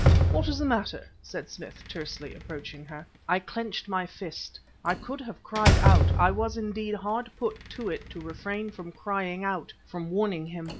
"What is the matter?" said Smith tersely, approaching her. I clenched my fists. I could have cried out; I was indeed hard put to it to refrain from crying out from warning him.